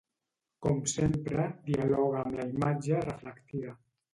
Com sempre, dialoga amb la imatge reflectida.